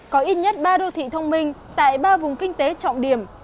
có ít nhất ba đô thị thông minh tại ba vùng kinh tế trọng điểm